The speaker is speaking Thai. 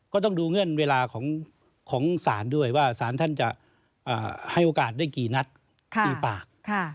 ก็ต้องดูเงื่อนเวลาของศาลด้วยว่าสารท่านจะให้โอกาสได้กี่นัดกี่ปาก